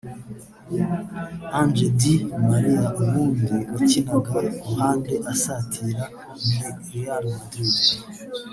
Angel Di Maria ubundi wakinaga ku ruhande asatira muri Real Madrid